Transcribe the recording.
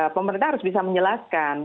pemerintah harus bisa menjelaskan